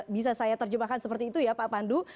bisa saya terjemahkan seperti itu ya pak pandu